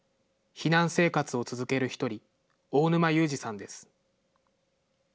避難生活を続ける一人、大沼勇治さんです。